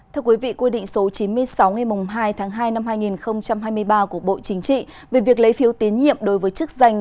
thưa quý vị quy định số chín mươi sáu ngày hai tháng hai năm hai nghìn hai mươi ba của bộ chính trị về việc lấy phiếu tín nhiệm đối với chức danh